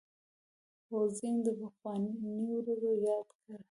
موزیک د پخوانیو ورځو یاد دی.